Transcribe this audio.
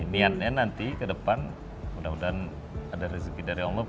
niatnya nanti ke depan mudah mudahan ada rezeki dari allah